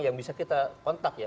yang bisa kita kontak ya